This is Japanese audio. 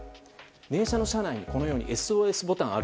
電車の車内にこのようにＳＯＳボタンがある。